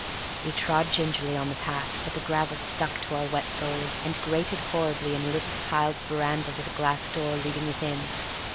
We trod gingerly on the path, but the gravel stuck to our wet soles, and grated horribly in a little tiled veranda with a glass door leading within.